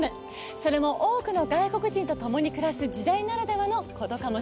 それも多くの外国人と共に暮らす時代ならではのことかもしれませんよね。